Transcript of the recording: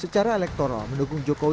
secara elektoral mendukung jokowi